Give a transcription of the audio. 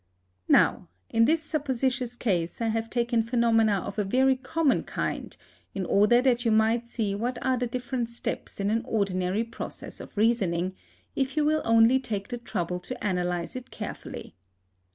Now, in this supposititious case, I have taken phenomena of a very common kind, in order that you might see what are the different steps in an ordinary process of reasoning, if you will only take the trouble to analyse it carefully.